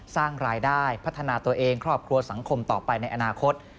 สร้างรายได้พัฒนาตัวเองครอบครัวสังคมต่อไปในอนาคต